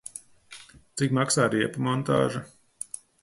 Cik maksā riepu montāža?